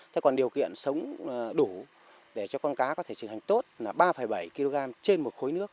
thế còn điều kiện sống đủ để cho con cá có thể trưởng hành tốt là ba bảy kg trên một khối nước